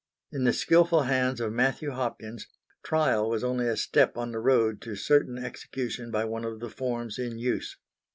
In the skilful hands of Matthew Hopkins, trial was only a step on the road to certain execution by one of the forms in use.